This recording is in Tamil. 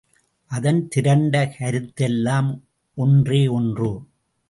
அதன் திரண்ட கருத்தெல்லாம் ஒன்றே ஒன்று.